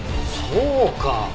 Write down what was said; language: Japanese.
そうか！